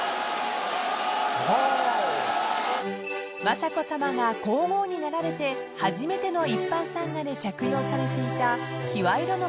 ［雅子さまが皇后になられて初めての一般参賀で着用されていた］